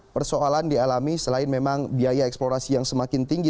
persoalan dialami selain memang biaya eksplorasi yang semakin tinggi